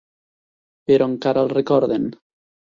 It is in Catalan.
Però encara el recorden.